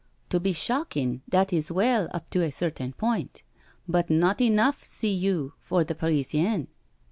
To be shockin*, that is well, up to a certain point— but not enough, see you, for the Parisian."